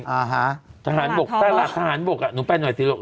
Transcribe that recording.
ตลาดทอบอลตลาดทหารบกอ่ะหนูแป้นหน่อยซิลูก